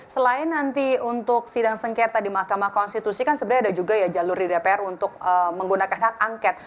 selain nanti untuk sidang sengketa di mahkamah konstitusi kan sebenarnya ada juga ya jalur di dpr untuk menggunakan hak angket